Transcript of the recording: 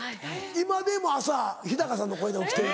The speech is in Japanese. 今でも朝日さんの声で起きてる。